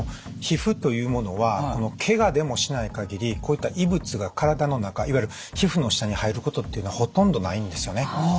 皮膚というものはケガでもしない限りこういった異物が体の中いわゆる皮膚の下に入ることっていうのはほとんどないんですよね。